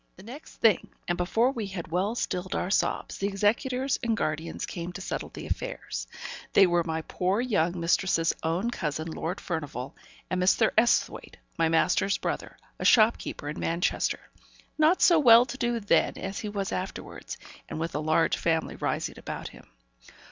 The next thing, and before we had well stilled our sobs, the executors and guardians came to settle the affairs. They were my poor young mistress's own cousin, Lord Furnivall, and Mr. Esthwaite, my master's brother, a shopkeeper in Manchester; not so well to do then as he was afterwards, and with a large family rising about him.